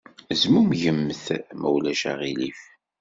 Zmumgemt, ma ulac aɣilif.